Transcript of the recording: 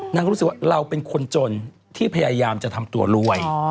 รู้สึกว่าเราเป็นคนจนที่พยายามจะทำตัวรวย